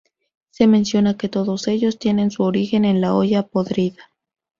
Se menciona que todos ellos tienen su origen en la olla podrida.